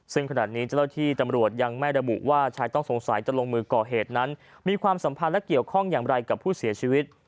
ซึ่งขณะนี้เจ้าหน้าที่ตำรวจยังไม่ระบุว่าชายต้องสงสัยจะลงมือก่อเหตุนั้นมีความสัมพันธ์และเกี่ยวข้องอย่างไรกับผู้เสียชีวิต